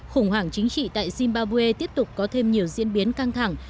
khủng hoảng chính trị tại zimbabwe tiếp tục có thêm nhiều diễn biến căng thẳng